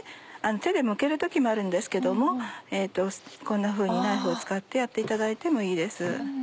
手でむける時もあるんですけどもこんなふうにナイフを使ってやっていただいてもいいです。